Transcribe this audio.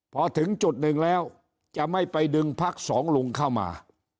พอถึงจุดหนึ่งแล้วจะไม่ไปดึงพักสองลุงเข้ามา